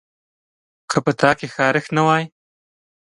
که په تا کې خارښت نه وای